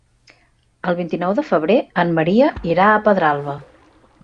El vint-i-nou de febrer en Maria irà a Pedralba.